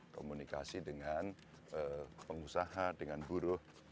komunikasi dengan pengusaha dengan buruh